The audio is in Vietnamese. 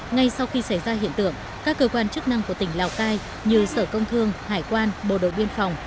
ngay sau khi xảy ra hiện tượng các cơ quan chức năng của tỉnh lào cai như sở công thương hải quan bộ đội biên phòng